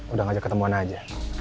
udah ngajak ketemuan aja